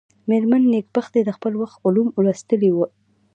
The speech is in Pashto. مېرمن نېکبختي د خپل وخت علوم لوستلي ول.